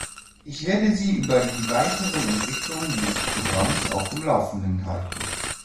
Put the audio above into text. Ich werde Sie über die weiteren Entwicklungen dieses Programms auf dem Laufenden halten.